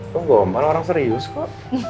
tuh gombal orang serius kok